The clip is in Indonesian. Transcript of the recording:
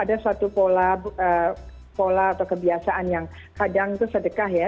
ada suatu pola atau kebiasaan yang kadang itu sedekah ya